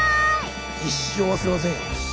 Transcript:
一生忘れませんよ。